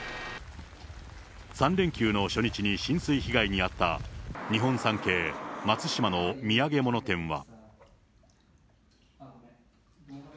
３連休の初日に浸水被害に遭った日本三景、松島の土産物店は。